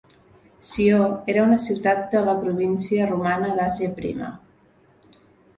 Sió era una ciutat de la província romana d'Àsia Prima.